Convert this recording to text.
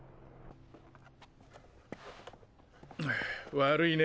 悪いね。